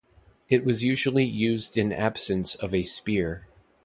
It was usually used in absence of a spear.